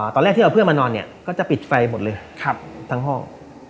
ตอนแรกที่เอาเพื่อนมานอนเนี่ยก็จะปิดไฟหมดเลยทั้งห้อง